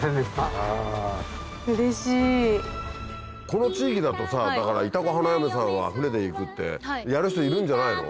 この地域だとさ「潮来花嫁さんは舟で行く」ってやる人いるんじゃないの？